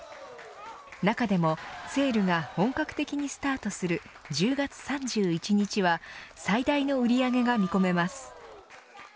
中でもセールが本格的にスタートする１０月３１日は最大の売り上げが見込めます。